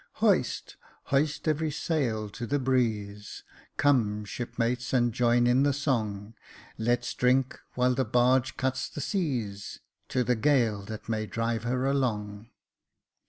" Hoist, hoist, every sail to the breeze, Come, shipmates, and join in the song, Let's drink while the barge cuts the seas, To the gale that may drive her along.